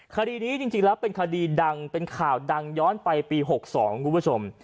คดีนี้จริงแล้วเป็นคดีดังเป็นข่าวดังย้อนไปปี๖๒คุณผู้ชม